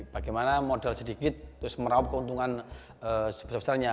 bagaimana modal sedikit terus meraup keuntungan sebesarnya